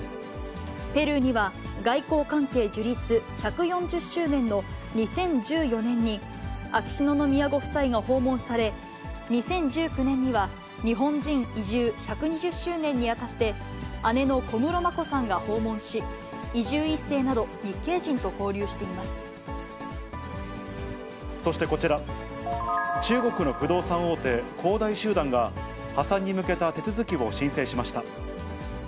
ペルーには外交関係樹立１４０周年の２０１４年に、秋篠宮ご夫妻が訪問され、２０１９年には日本人移住１２０周年にあたって、姉の小室眞子さんが訪問し、移住１世など日系人と交流していそしてこちら、中国の不動産大手、恒大集団が、破産に向けた手続きを申請しました。